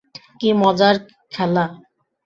কী মজার খেলা!